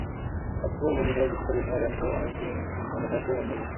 চাঁদপুর বন্ধুসভার বিশেষ পরিবেশনা র্যাম শো অনেক দিন মনে থাকবে বন্ধুদের।